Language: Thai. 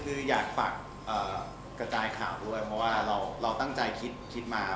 คืออยากฝากกระจายข่าวด้วยเพราะว่าเราตั้งใจคิดมา